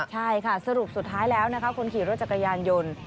ใช่ค่ะสรุปสุดท้ายแล้วนะคะคนขี่รถจักรยานยนต์